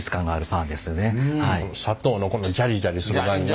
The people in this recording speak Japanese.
砂糖のこのジャリジャリする感じね。